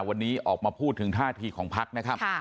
วันนี้ออกมาพูดถึงท่าทีของพักนะครับ